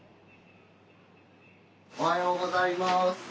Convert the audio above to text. おはようございます。